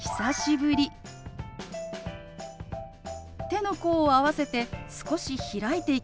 手の甲を合わせて少し開いていきます。